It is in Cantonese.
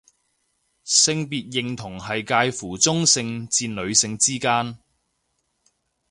性別認同係界乎中性至女性之間